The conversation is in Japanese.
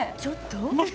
ちょっと？